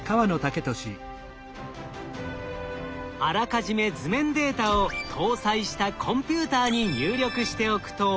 あらかじめ図面データを搭載したコンピューターに入力しておくと。